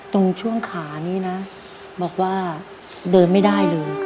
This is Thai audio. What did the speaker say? ตรงช่วงขานี้นะบอกว่าเดินไม่ได้เลย